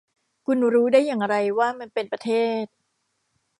คุณรู้ได้อย่างไรว่ามันเป็นประเทศ